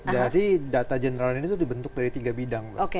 jadi data general ini dibentuk dari tiga bidang